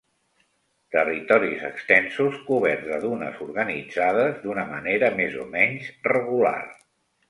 Territoris extensos coberts de dunes organitzades d'una manera més o menys regular.